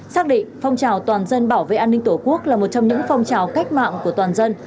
xác định phong trào toàn dân bảo vệ an ninh tổ quốc là một trong những phong trào cách mạng của toàn dân